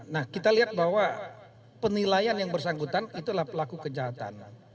nah kita lihat bahwa penilaian yang bersangkutan itulah pelaku kejahatan